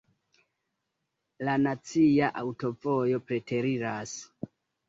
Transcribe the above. La nacia aŭtovojo preteriras.